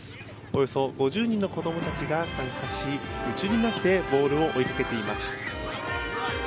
およそ５０人の子供たちが参加し夢中になってボールを追いかけています。